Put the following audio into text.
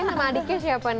ini sama adiknya siapa nih